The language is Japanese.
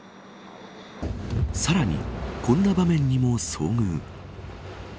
さらに、こんな場面にも遭遇。